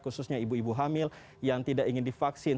khususnya ibu ibu hamil yang tidak ingin divaksin